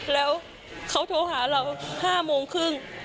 แล้วเขาโทรหาเรา๕โมงครึ่ง